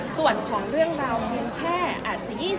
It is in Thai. ส่วนของเรื่องราวมันแค่๒๐๓๐จากร้อย